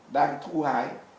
đang thu hái